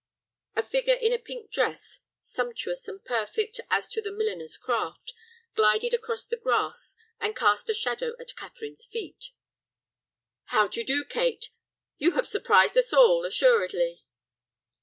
A figure in a pink dress, sumptuous and perfect as to the milliner's craft, glided across the grass, and cast a shadow at Catherine's feet. "How d'you do, Kate? You have surprised us all—assuredly."